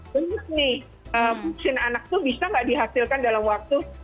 benar nih vaksin anak itu bisa tidak dihasilkan dalam waktu